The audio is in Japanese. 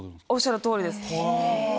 おっしゃるとおりです。